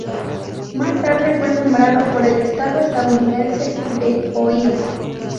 Más tarde fue nombrado por el estado estadounidense de Ohio.